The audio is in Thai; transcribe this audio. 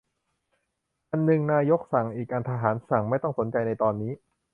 อันนึงนายกสั่ง อีกอันทหารสั่ง ไม่ต้องสนใจในตอนนี้